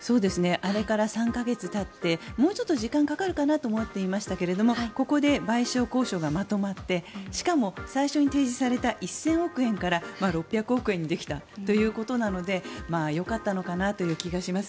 あれから３か月たってもうちょっと時間がかかるかなと思っていましたがここで賠償交渉がまとまってしかも最初に提示された１０００億円から６００億円にできたということなのでよかったのかなという気がします。